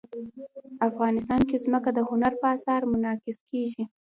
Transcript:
افغانستان کې ځمکه د هنر په اثار کې منعکس کېږي.